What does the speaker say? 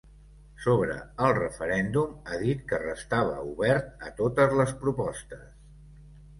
Sobre el referèndum, ha dit que restava obert a totes les propostes.